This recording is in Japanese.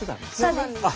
そうなんです。